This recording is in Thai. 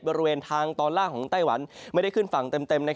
บริเวณทางตอนล่างของไต้หวันไม่ได้ขึ้นฝั่งเต็ม